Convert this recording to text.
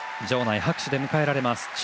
場内拍手で迎えられます。